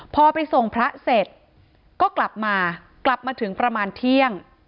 พอไปส่งพระเสร็จก็กลับมากลับมาถึงประมาณเที่ยง